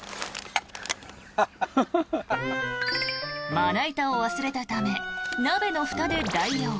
まな板を忘れたため鍋のふたで代用。